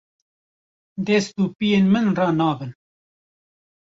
Dest û piyên min ranabin.